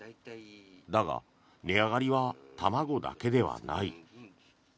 だが、値上がりは卵だけではない。